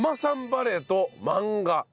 バレーと漫画。